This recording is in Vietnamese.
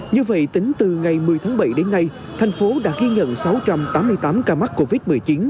như vậy tính từ ngày một mươi tháng bảy đến nay thành phố đã ghi nhận sáu trăm tám mươi tám ca mắc covid một mươi chín